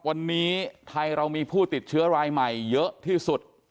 วันนี้ไทยเรามีผู้ติดเชื้อรายใหม่เยอะที่สุด